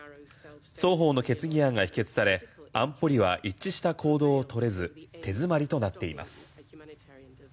双方の決議案が否決され安保理は一致した行動を取れず手詰まりとなっています。